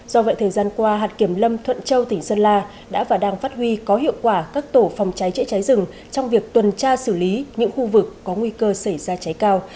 do vậy thời gian qua hạt kiểm lâm thuận châu tỉnh sơn la đã và đang phát huy có hiệu quả các tổ phòng cháy chữa cháy rừng trong việc tuần tra xử lý những khu vực có nguy cơ xảy ra cháy cao